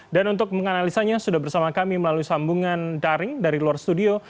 dan untuk menganalisanya sudah bersama kami melalui sambungan daring dari luar studio